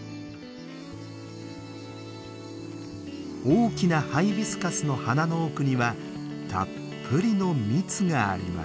大きなハイビスカスの花の奥にはたっぷりの蜜があります。